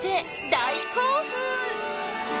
大興奮！